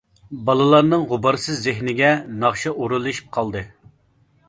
بالىلارنىڭ غۇبارسىز زېھنىگە ناخشا ئورۇنلىشىپ قالدى.